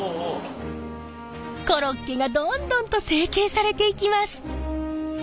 コロッケがどんどんと成型されていきます。